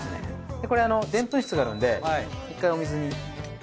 でこれでんぷん質があるんで１回お水に。